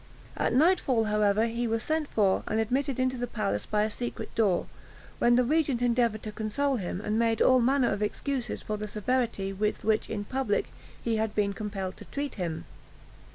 At nightfall, however, he was sent for, and admitted into the palace by a secret door, when the regent endeavoured to console him, and made all manner of excuses for the severity with which in public he had been compelled to treat him.